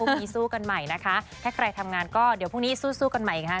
ดีสู้กันใหม่นะคะถ้าใครทำงานก็เดี๋ยวพรุ่งนี้สู้กันใหม่อีกค่ะ